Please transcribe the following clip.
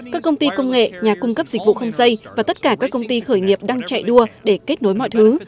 các công ty công nghệ nhà cung cấp dịch vụ không dây và tất cả các công ty khởi nghiệp đang chạy đua để kết nối mọi thứ